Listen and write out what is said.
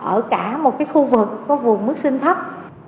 ở cả một khu vực có vùng mức sinh thấp